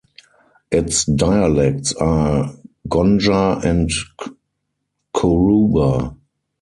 Its dialects are Gonja and Choruba.